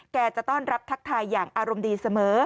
แกจะต้อนรับทักทายอย่างอารมณ์ดีเสมอ